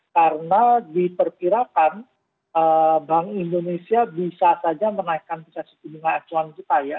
karena diperkirakan bank indonesia bisa saja menaikkan posisi jumlah asuhan kita ya